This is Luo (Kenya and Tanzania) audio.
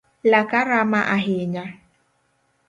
Laka rama ahinya